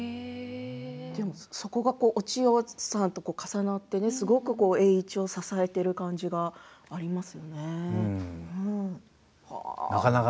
そこがお千代さんと重なってすごく栄一を支えている感じがありますよね。